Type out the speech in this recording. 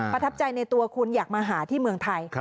ประทับใจในตัวคุณอยากมาหาที่เมืองไทย